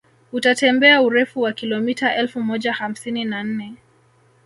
Utatembea urefu wa kilomita elfu moja hamsini na nne